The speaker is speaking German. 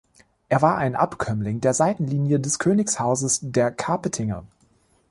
Er war ein Abkömmling einer Seitenlinie des Königshauses der Kapetinger.